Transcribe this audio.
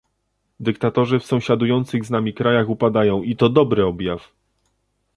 Dyktatorzy w sąsiadujących z nami krajach upadają i to dobry objaw